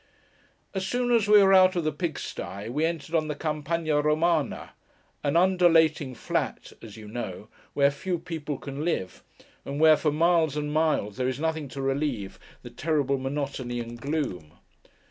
As soon as we were out of the pig sty, we entered on the Campagna Romana; an undulating flat (as you know), where few people can live; and where, for miles and miles, there is nothing to relieve the terrible monotony and gloom.